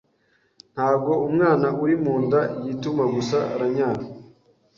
ntago umwana uri mu nda yituma gusa aranyara.